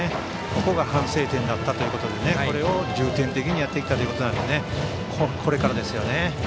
ここが反省点だったということで重点的にやってきたということでこれからですよね。